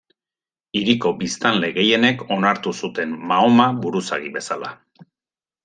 Hiriko biztanle gehienek onartu zuten Mahoma buruzagi bezala.